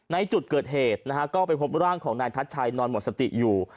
ในจุดเกิดเหตุนะฮะก็ไปพบร่างของนายทัชชัยนอนหมดสติอยู่